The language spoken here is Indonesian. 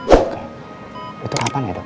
oke itu kapan ya dok